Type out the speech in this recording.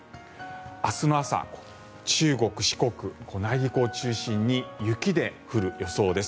明日の朝中国、四国、内陸を中心に雪で降る予想です。